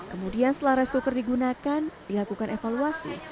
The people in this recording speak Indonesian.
kemudian setelah rice cooker digunakan dilakukan evaluasi